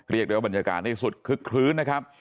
เรียกได้ว่าบรรยากาศนี่สุดคึกคลื้นนะครับ